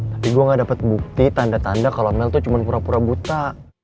tapi gue gak dapat bukti tanda tanda kalau mel tuh cuma pura pura buta